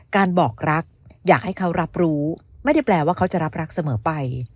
บอกรักอยากให้เขารับรู้ไม่ได้แปลว่าเขาจะรับรักเสมอไป